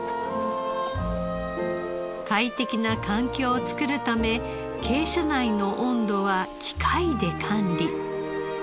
快適な環境をつくるため鶏舎内の温度は機械で管理。